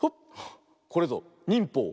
これぞにんぽう